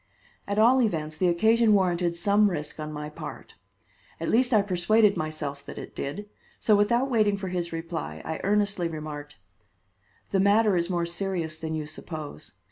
At all events, the occasion warranted some risk on my part. At least I persuaded myself that it did; so without waiting for his reply, I earnestly remarked: "The matter is more serious than you suppose.